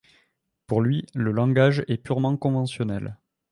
Pour lui, le langage est purement conventionnel.